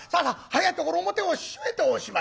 早いところ表を閉めておしまい」。